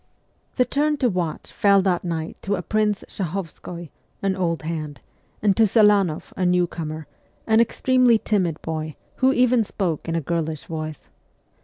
The turn to watch fell that night to a Prince Shahovskoy, an old hand, and to Selanoff, a new comer, an extremely timid boy, who even spoke in a girlish voice.